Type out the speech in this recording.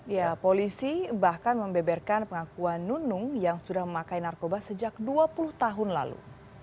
ya polisi bahkan membeberkan pengakuan nunung yang sudah memakai narkoba sejak dua puluh tahun lalu